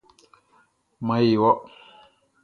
Maan e wɔ.